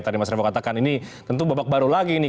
tadi mas revo katakan ini tentu babak baru lagi nih